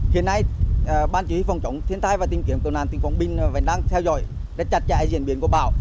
hiện nay ban chỉ huy phòng chống thiên tai và tìm kiếm cứu nạn tỉnh quảng bình vẫn đang theo dõi rất chặt chạy diễn biến của bão